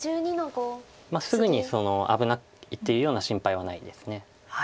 すぐに危ないっていうような心配はないです。